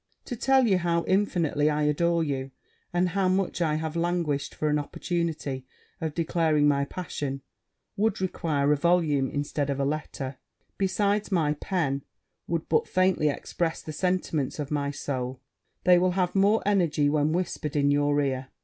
To tell you how infinitely I adore you, and how much I have languished for an opportunity of declaring my passion, would require a volume instead of a letter: besides, my pen would but faintly express the sentiments of my soul they will have more energy when whispered in your ear.